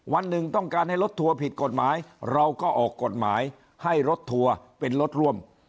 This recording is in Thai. วันหนึ่งต้องการให้รถทัวร์ผิดกฎหมายเราก็ออกกฎหมายให้รถทัวร์เป็นรถร่วม